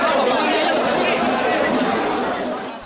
bapak bapak kalau ada ikannya apa